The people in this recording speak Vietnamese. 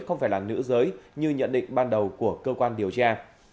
không phải là nữ giới như nhận định ban đầu của cơ quan điều tra